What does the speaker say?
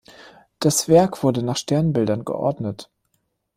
Das Werk wurde nach Sternbildern geordnet.